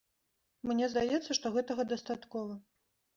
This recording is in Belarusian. Мне здаецца, што гэтага дастаткова.